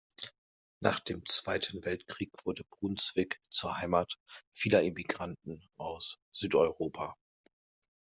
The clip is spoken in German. Nach dem Zweiten Weltkrieg wurde Brunswick zur Heimat vieler Emigranten aus Südeuropa.